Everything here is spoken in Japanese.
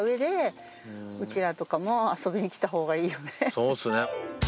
そうっすね。